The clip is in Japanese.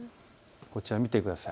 こちら見てください。